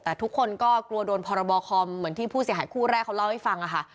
แต่ทุกคนก็กลัวโดนพรบคอมเหมือนที่ผู้เสียหายคู่แรกเขาเล่าให้ฟังค่ะ